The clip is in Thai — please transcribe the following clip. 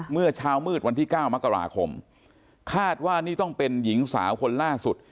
เมื่อเช้ามืดวันที่๙มกราคมคาดว่านี่ต้องเป็นหญิงสาวคนล่าสุด